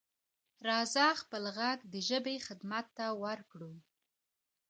راځه خپل غږ د ژبې خدمت ته ورکړو.